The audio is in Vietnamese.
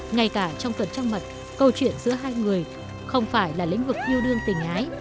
ngay cả trong phần trang mật câu chuyện giữa hai người không phải là lĩnh vực yêu đương tình ái